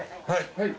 はい。